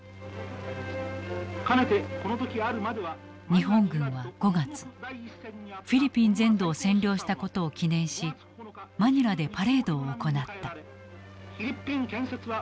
日本軍は５月フィリピン全土を占領したことを記念しマニラでパレードを行った。